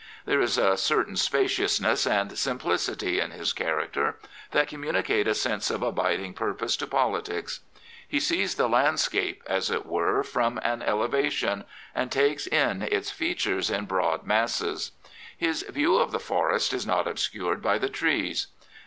There is a certain spaciousness and simplicity in his character that communicate a sense of abiding purpose to politics. He sees the landscape, as it were, from an elevation, and takes in its features in broad masses. His view of the forest is not obscured by the trees.